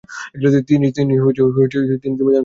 তিনি জমি দান করেন।